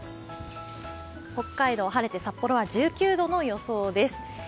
北海道、晴れて札幌は１９度の予想です。